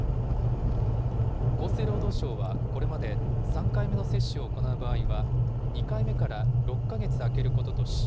厚生労働省はこれまで、３回目の接種を行う場合は、２回目から６か月空けることとし、